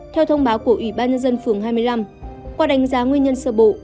theo thông báo của ủy ban nhân dân phường hai mươi năm qua đánh giá nguyên nhân sơ bộ